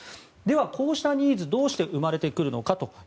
こうしたニーズどうして生まれてくるのか。